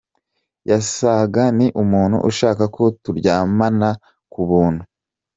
Yasaga ni umuntu ushaka ko turyamana ku buntu.